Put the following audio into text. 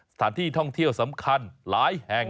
สถานที่ท่องเที่ยวสำคัญหลายแห่ง